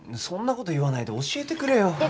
そんな事言わないで教えてくれよ。